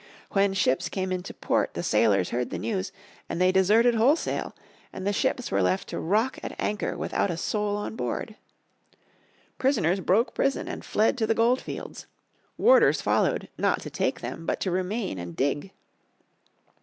When ships came into port the sailors heard the news, and they deserted wholesale, and the ships were left to rock at anchor without a soul on board. Prisoners broke prison and fled to the gold fields. Warders followed, not to take them but to remain and dig.